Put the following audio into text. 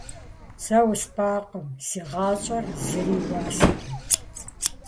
Сэ успӀакъым – си гъащӀэр зыри и уасэкъым.